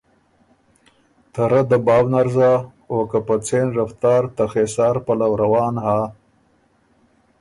ته رۀ دباؤ نر زا او که په څېن رفتار ته خېسار پلؤ روان هۀ